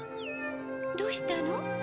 どうしたの？